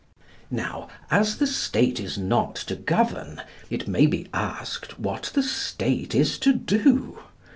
Now as the State is not to govern, it may be asked what the State is to do.